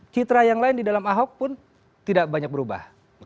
citra yang lain di dalam ahok pun tidak banyak berubah